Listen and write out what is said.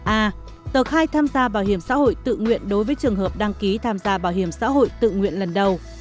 a tờ khai tham gia bảo hiểm xã hội tự nguyện đối với trường hợp đăng ký tham gia bảo hiểm xã hội tự nguyện lần đầu